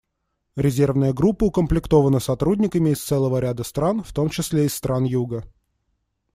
Резервная группа укомплектована сотрудниками из целого ряда стран, в том числе из стран Юга.